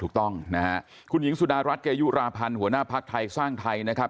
ถูกต้องนะฮะคุณหญิงสุดารัฐเกยุราพันธ์หัวหน้าภักดิ์ไทยสร้างไทยนะครับ